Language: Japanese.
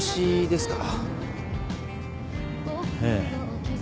ええ。